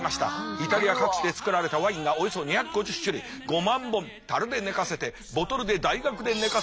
イタリア各地で造られたワインがおよそ２５０種類５万本樽で寝かせてボトルで大学で寝かせて芳醇馥郁。